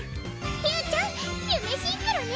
みゅーちゃんユメシンクロね！